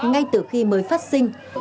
ngay từ khi mới phát sinh